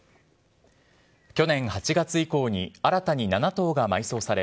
去年８月以降に新たに７頭が埋葬され、